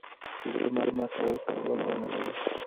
د زړه ماتول کعبه ورانول دي.